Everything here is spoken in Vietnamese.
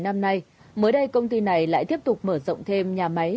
hà nội được hơn một mươi năm nay mới đây công ty này lại tiếp tục mở rộng thêm nhà máy